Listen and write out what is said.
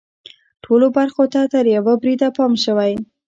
ټولو برخو ته تر یوه بریده پام شوی.